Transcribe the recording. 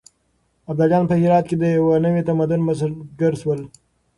ابداليان په هرات کې د يو نوي تمدن بنسټګر شول.